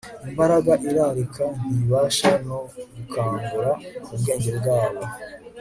imbaraga irarika ntibasha no gukangura ubwenge bwabo